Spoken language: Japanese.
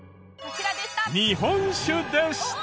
日本酒でした。